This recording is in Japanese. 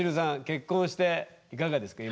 結婚していかがですか？